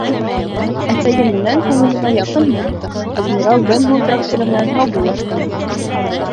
Әсәйем менән, күңелемә яҡын бухта, «Адмирал Бенбоу» трактиры менән һаубуллаштым.